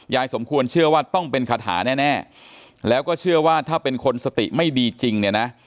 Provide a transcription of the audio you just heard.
สมควรเชื่อว่าต้องเป็นคาถาแน่แล้วก็เชื่อว่าถ้าเป็นคนสติไม่ดีจริงเนี่ยนะ